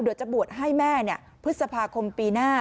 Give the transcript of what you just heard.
เดี๋ยวจะบวชให้แม่พฤษภาคมปีหน้า